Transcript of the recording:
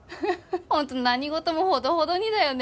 ほんと何事もほどほどにだよね。